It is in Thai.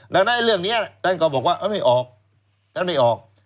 ดังนั้นเรื่องนี้ท่านก็บอกว่าไม่ออกท่านไม่ออก